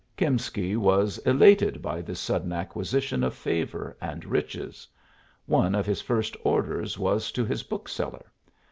Kimsky was elated by this sudden acquisition of favor and riches. One of his first orders was to his bookseller.